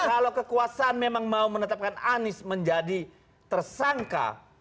kalau kekuasaan memang mau menetapkan anies menjadi tersangka